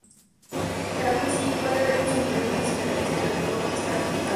Pero aun así, Juan se pregunta si la creencia del autor estará justificada.